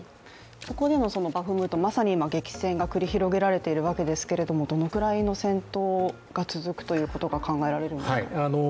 ここでのバフムト、まさに激戦が繰り広げられているわけですけれどもどのくらいの戦闘が続くということが考えられますか？